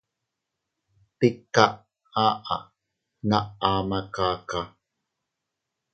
Tika aʼa na ama kaka.